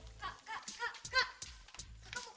wah kak kak kak kak